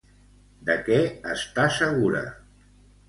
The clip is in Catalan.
De què està segura?